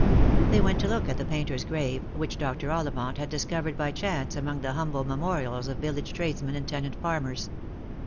They went to look at the painter's grave, which Dr. Ollivant had discovered by chance among the humble memorials of village tradesmen and tenant farmers.